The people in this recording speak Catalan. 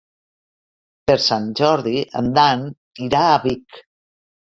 Per Sant Jordi en Dan irà a Vic.